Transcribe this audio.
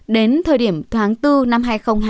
đến thời điểm tháng bốn năm hai nghìn hai mươi